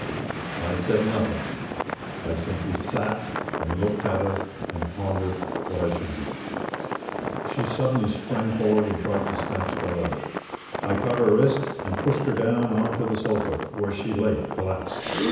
I said nothing. I simply sat and looked at her and pondered what I should do. She suddenly sprang forward and tried to snatch the letter. I caught her wrist and pushed her down on to the sofa, where she lay, collapsed.